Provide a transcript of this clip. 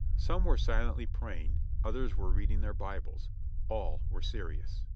Some were silently praying, others were reading their Bibles, all were serious.